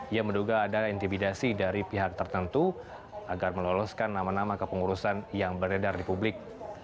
ia menduga ada intimidasi dari pihak tertentu agar meloloskan nama nama kepengurusan yang beredar di publik